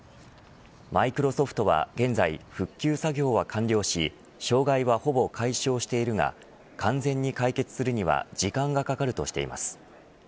マイクロソフトは現在、復旧作業は完了し障害は、ほぼ解消しているが完全に解決するには時間がかかるとしています。